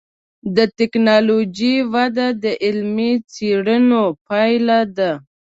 د ټکنالوجۍ وده د علمي څېړنو پایله ده.